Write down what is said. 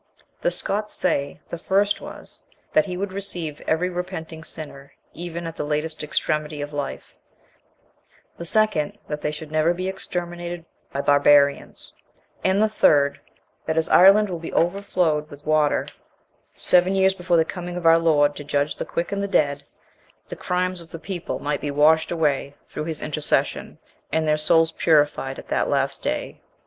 The Scots say, the first was, that he would receive every repenting sinner, even at the latest extremity of life; the second, that they should never be exterminated by barbarians; and the third, that as Ireland(3) will be overflowed with water, seven years before the coming of our Lord to judge the quick and the dead, the crimes of the people might be washed away through his intercession, and their souls purified at the last day.